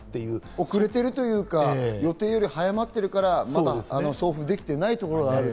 遅れているというか、予定より早まっているから、まだ送付できていないところがある。